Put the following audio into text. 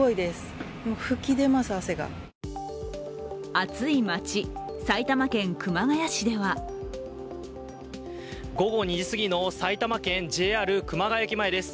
暑い街・埼玉県熊谷市では午後２時すぎの埼玉県・ＪＲ熊谷駅前です。